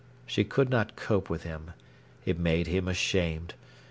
She could not cope with him. It made him ashamed.